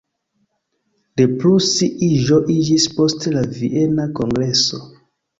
Reprusi-iĝo iĝis post la Viena kongreso.